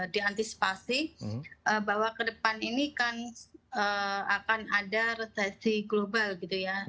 diantisipasi bahwa ke depan ini kan akan ada resesi global gitu ya